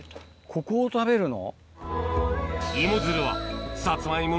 ここを食べるの？